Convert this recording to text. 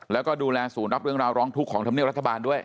แล้วก็ดูแลศูนย์รับเรื่องราวร้องทุกข์ของธรรมเนียบรัฐบาลด้วย